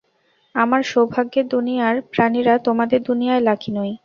আমরা সৌভাগ্যের দুনিয়ার প্রাণীরা তোমাদের দুনিয়ায় লাকি নই।